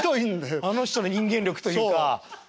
あの人の人間力というか。